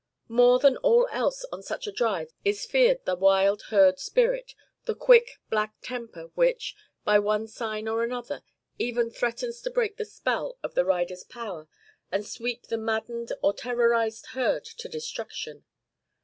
More than all else on such a drive is feared the wild herd spirit, the quick, black temper which, by one sign or another, ever threatens to break the spell of the riders' power and sweep the maddened or terrorized herd to destruction.